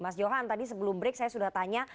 mas johan tadi sebelum break saya sudah tanya